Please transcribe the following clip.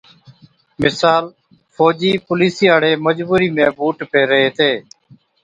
مثال فوجِي، پوليسي هاڙي مجبُورِي ۾ بُوٽ پيهري هِتي۔